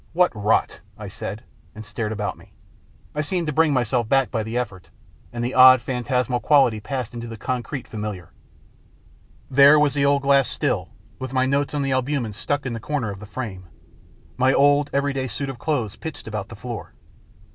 " What rot !" I said, and stared about me. I seemed to bring myself back by the effort, and the odd phantasmal quality passed into the concrete familiar. There was the old glass still, with my notes on the albumens stuck in the corner of the frame, my old everyday suit of clothes pitched about the floor.